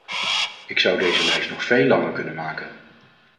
Ik zou deze lijst nog veel langer kunnen maken.